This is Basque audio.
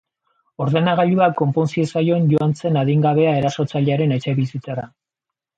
Ordenagailua konpon ziezaion joan zen adingabea erasotzailearen etxebizitzara.